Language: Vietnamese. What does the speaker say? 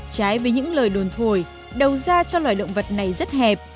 trái với những lời đồn thổi đầu ra cho loài động vật này rất hẹp